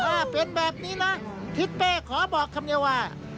ถ้าเป็นแบบนี้นะทิศเป้ขอบอกคำเดียวว่า